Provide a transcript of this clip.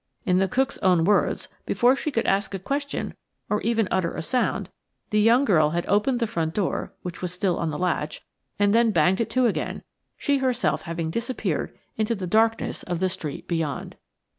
In the cook's own words, before she could ask a question or even utter a sound, the young girl had opened the front door, which was still on the latch, and then banged it to again, she herself having disappeared into the darkness of the street beyond.